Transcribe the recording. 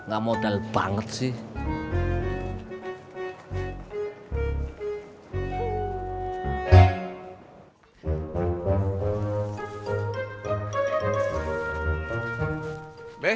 gak modal banget sih